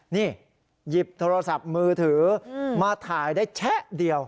นี่หยิบโทรศัพท์มือถือมาถ่ายได้แชะเดียว